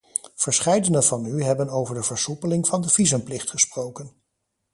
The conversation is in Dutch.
Verscheidene van u hebben over de versoepeling van de visumplicht gesproken.